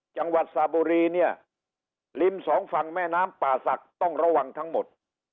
สระบุรีเนี่ยริมสองฝั่งแม่น้ำป่าศักดิ์ต้องระวังทั้งหมด